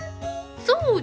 そう！